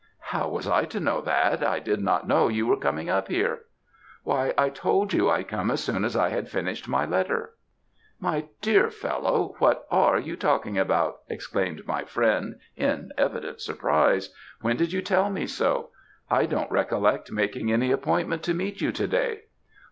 "'How was I to know that; I did not know you were coming up here.' "'Why, I told you I'd come as soon as I had finished my letter.' "'My dear fellow, what are you talking about?' exclaimed my friend, in evident surprise; 'when did you tell me so? I don't recollect making any appointment to meet you to day.'